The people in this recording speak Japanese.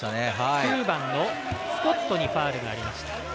９番のスコットにファウルがありました。